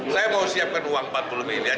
saya mau siapkan uang empat puluh miliar